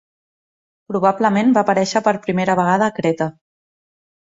Probablement va aparèixer per primera vegada a Creta.